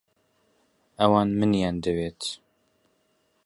ئەوان منیان دەوێت.